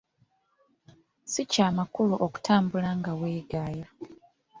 Si kya makulu okutambuala nga weegaaya.